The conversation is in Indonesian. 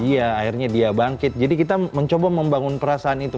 iya akhirnya dia bangkit jadi kita mencoba membangun perasaan itu